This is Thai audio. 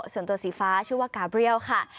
ส่วนตัวสีฟ้าชื่อว่ากาเบรียลค่ะ